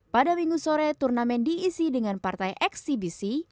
pada minggu sore turnamen diisi dengan partai eksibisi